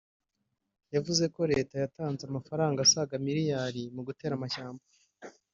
yavuze ko Leta yatanze amafaranga asaga Miliyari mu gutera amashyamba